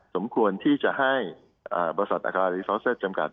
สมควรที่จะให้บร๖๖๕อัปราธิกษาชำกัด